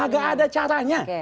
gak ada caranya